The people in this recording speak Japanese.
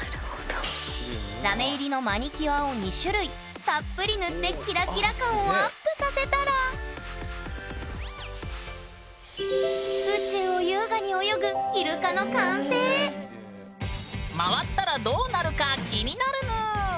ラメ入りのマニュキュアを２種類たっぷり塗ってキラキラ感をアップさせたら宇宙を優雅に泳ぐイルカの完成回ったらどうなるか気になるぬん。